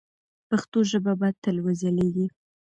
پښتو ژبه به تل وځلیږي.